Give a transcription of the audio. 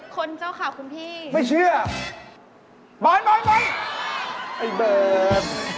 คนเจ้าข่าวคุณพี่ไม่เชื่อบอยไอ้เบิร์ต